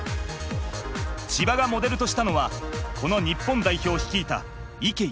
ちばがモデルとしたのはこの日本代表を率いた池透暢だ。